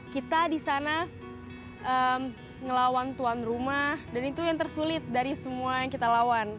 kita di sana ngelawan tuan rumah dan itu yang tersulit dari semua yang kita lawan